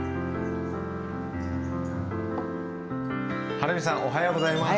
はるみさんおはようございます。